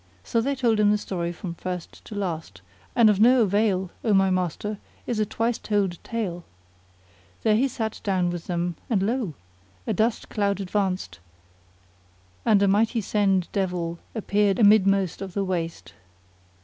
So they told him the story from first to last: and of no avail, O my master, is a twice told tale! There he sat down with them, and lo! a dust cloud advanced and a mighty sand devil appeared amidmost of the waste.